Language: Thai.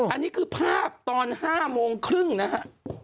อันนี้คือภาพตอน๕โมงครึ่งนะฮะ